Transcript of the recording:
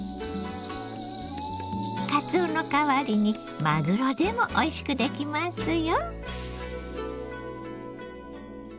かつおの代わりにマグロでもおいしくできますよ。